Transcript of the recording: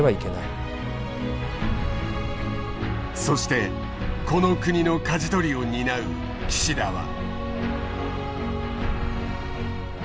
そしてこの国のかじ取りを担う岸田は。